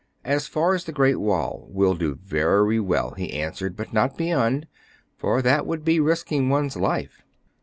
"As far as the Great Wall, will do very well," he answered, " but not beyond ; for that would be risking one's life."